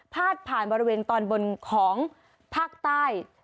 พาดผ่านบริเวณตอนบนของภาคใต้